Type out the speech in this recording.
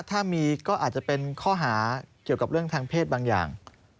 ถ้ามีก็อาจจะเป็นข้อหาเกี่ยวกับเรื่องทางเพศบางอย่าง